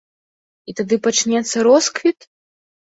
І тады пачнецца росквіт?